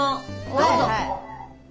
はいはい。